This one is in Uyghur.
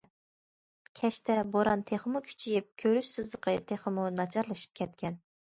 كەچتە، بوران تېخىمۇ كۈچىيىپ، كۆرۈش سىزىقى تېخىمۇ ناچارلىشىپ كەتكەن.